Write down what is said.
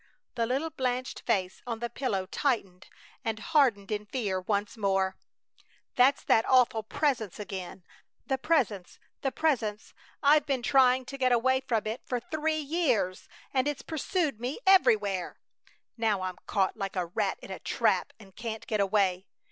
The little blanched face on the pillow tightened and hardened in fear once more. "That's that awful Presence again! The Presence! The Presence! I've been trying to get away from it for three years, and it's pursued me everywhere! Now I'm caught like a rat in a trap and can't get away!